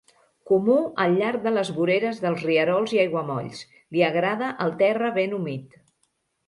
Comú al llarg de les voreres dels rierols i aiguamolls, li agrada el terra ben humit.